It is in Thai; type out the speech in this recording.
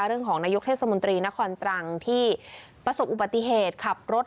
เรื่องของนายกเทศมนตรีนครตรังที่ประสบอุบัติเหตุขับรถ